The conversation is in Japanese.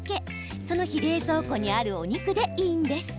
その日、冷蔵庫にあるお肉でいいんです。